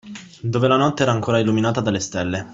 Dove la notte era ancora illuminata dalle stelle.